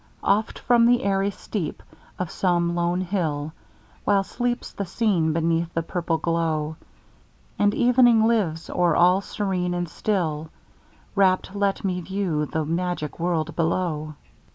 Oft from the airy steep of some lone hill, While sleeps the scene beneath the purple glow: And evening lives o'er all serene and still, Wrapt let me view the magic world below!